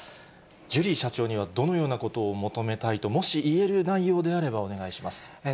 ジュリー社長にはどのようなことを求めたいと、もし言える内容であれば、お願いします。